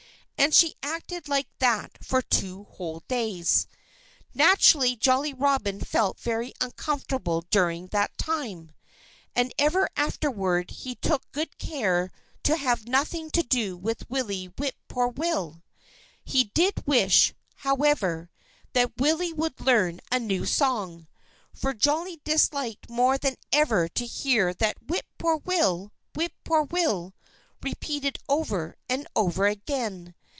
And she acted like that for two whole days. Naturally, Jolly Robin felt very uncomfortable during that time. And ever afterward he took good care to have nothing to do with Willie Whip poor will. He did wish, however, that Willie would learn a new song. For Jolly disliked more than ever to hear that "Whip poor will! Whip poor will!" repeated over and over again.